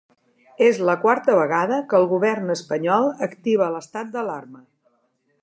És la quarta vegada que el govern espanyol activa l’estat d’alarma.